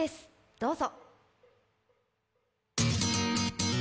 どうぞ！